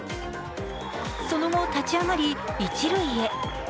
その後、立ち上がり一塁へ。